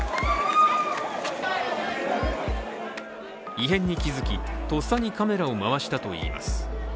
異変に気づき、とっさにカメラを回したといいます。